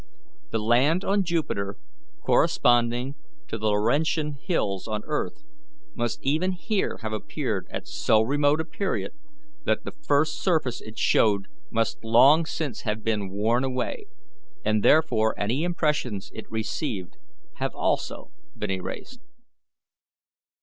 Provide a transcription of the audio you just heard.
The land on Jupiter, corresponding to the Laurentian Hills on earth, must even here have appeared at so remote a period that the first surface it showed must long since have been worn away, and therefore any impressions it received have also been erased.